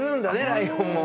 ライオンも。